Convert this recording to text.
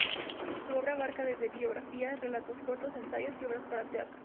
Su obra abarca desde biografías, relatos cortos, ensayos y obras para teatro.